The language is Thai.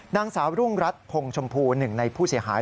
นางสาวรุ่งรัฐพงชมพูหนึ่งในผู้เสียหาย